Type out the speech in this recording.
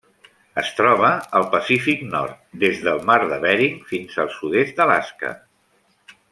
Es troba al Pacífic nord: des del mar de Bering fins al sud-est d'Alaska.